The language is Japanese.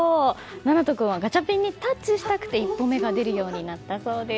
七橙君はガチャピンにタッチしたくて１歩目が出るようになったそうです。